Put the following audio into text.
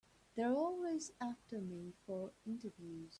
They're always after me for interviews.